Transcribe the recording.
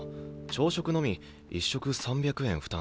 朝食のみ１食３００円負担。